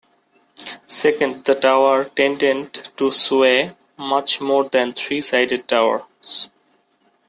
Second, the tower tended to sway much more than three-sided towers.